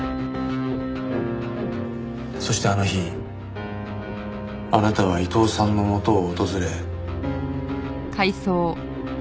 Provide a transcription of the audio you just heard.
そしてあの日あなたは伊藤さんのもとを訪れ。